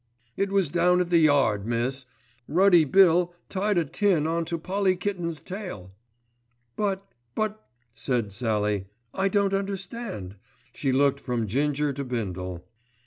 "It was down at the yard, miss. Ruddy Bill tied a tin on to Polly's kitten's tail." "But—but—" said Sallie, "I don't understand." She looked from Ginger to Bindle.